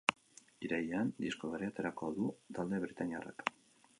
Irailean, disko berria aterako du talde britainiarrak.